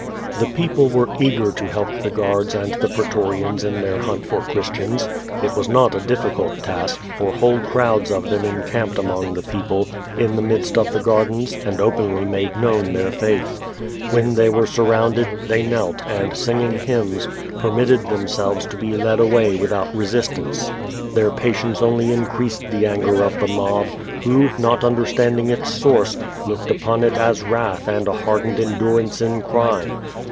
The people were eager to help the guards and the pretorians in their hunt for Christians. It was not a difficult task, for whole crowds of them encaihped among the people, in the midst of the gardens, and openly made known their faith. When they were surrounded, they knelt and, singing hymns, permitted themselves to be led away without resistance. Their patience only increased the anger of the mob, who, not understanding its source, looked upon it as wrath and a hardened endurance in crime.